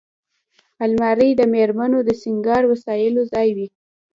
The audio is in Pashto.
الماري د مېرمنو د سینګار وسیلو ځای وي